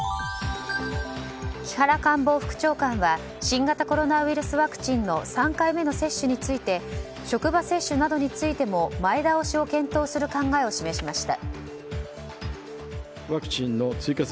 木原官房副長官は新型コロナウイルスワクチンの３回目の接種について職場接種などについても前倒しを検討する考えを示しました。